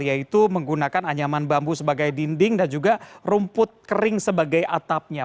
yaitu menggunakan anyaman bambu sebagai dinding dan juga rumput kering sebagai atapnya